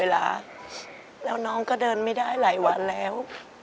แล้วน้องก็เดินไม่ได้หลายวันแล้ว